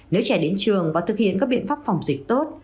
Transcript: nếu trẻ đến trường và thực hiện các biện pháp phòng dịch tốt